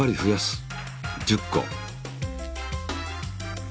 １０個。